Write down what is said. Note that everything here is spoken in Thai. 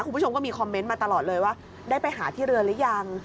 คุณผู้ชมก็มีคอมเมนต์มาตลอดเลยว่าได้ไปหาที่เรือหรือยัง